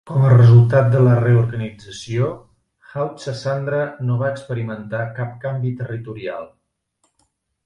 Com a resultat de la reorganització, Haut-Sassandra no va experimentar cap canvi territorial.